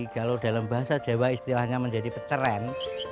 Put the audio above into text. kalau dalam bahasa jawa istilahnya menjadi peceren